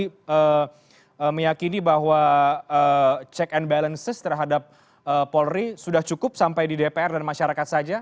kami meyakini bahwa check and balances terhadap polri sudah cukup sampai di dpr dan masyarakat saja